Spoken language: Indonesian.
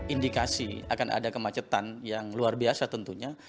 indikasi akan ada kemacetan yang luar biasa tentunya